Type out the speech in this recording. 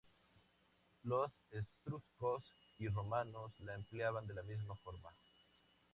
Los etruscos y romanos la empleaban de la misma forma.